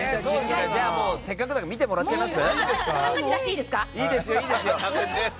じゃあ、せっかくだから見てもらっちゃいます？